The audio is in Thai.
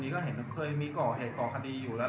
แต่ว่าเมืองนี้ก็ไม่เหมือนกับเมืองอื่น